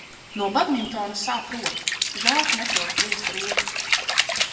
No badmintona sāp roka. Žēl, ka neprotu bliezt ar otru.